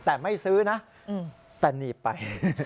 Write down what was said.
แต่ไม่ซื้อนะแต่หนีบไป